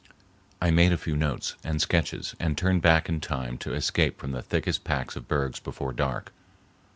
I made a few notes and sketches and turned back in time to escape from the thickest packs of bergs before dark.